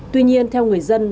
tuy nhiên theo người dân